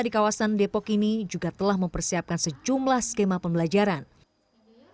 di kawasan depok ini juga telah mempersiapkan sejumlah skema pembelajaran